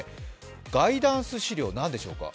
ガイダンス資料、何でしょうか。